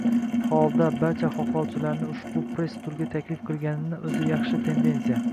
holda, barcha hohlovchilarni ushbu press turga taklif qilishganini oʻzi yaxshi tendensiya.